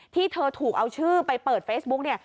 ที่เธอถูกเอาชื่อไปเปิดเฟซบุ๊กเนี่ย